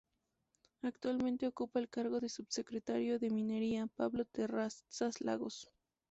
Actualmente ocupa el cargo de subsecretario de Minería, Pablo Terrazas Lagos.